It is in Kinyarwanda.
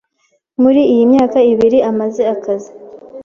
Muri iyi myaka ibiri amaze akazi.